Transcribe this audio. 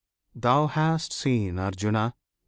thou hast seen, Arjuna!